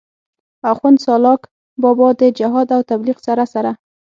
آخون سالاک بابا د جهاد او تبليغ سره سره